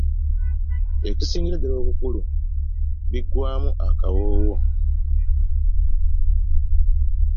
Ekisingira ddala obukulu biggwaamu akawoowo.